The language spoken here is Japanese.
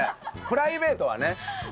プライベートはね。